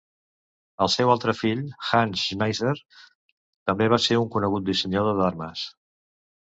El seu altre fill, Hans Schmeisser, també va ser un conegut dissenyador d'armes.